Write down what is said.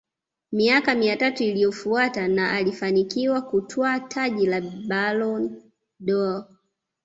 miaka mitatu iliyofuata na alifanikiwa kutwaa taji la Ballon dâOr